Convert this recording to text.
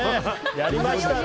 やりましたね。